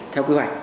theo quy hoạch